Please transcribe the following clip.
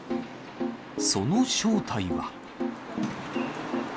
その正体は。